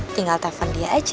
tinggal telfon dia aja